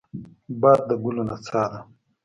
باد د ګلو نڅا ده